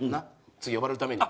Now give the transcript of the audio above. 次呼ばれるために。